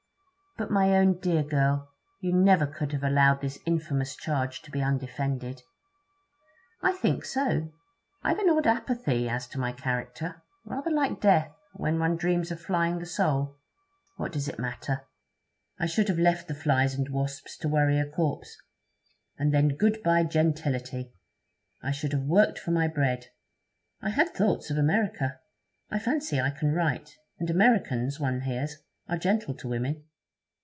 'But, my own dear girl, you never could have allowed this infamous charge to be undefended?' 'I think so. I've an odd apathy as to my character; rather like death, when one dreams of flying the soul. What does it matter? I should have left the flies and wasps to worry a corpse. And then good bye gentility! I should have worked for my bread. I had thoughts of America. I fancy I can write; and Americans, one hears, are gentle to women.'